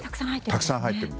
たくさん入っている。